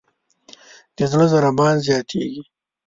د زړه ضربان زیاتېږي.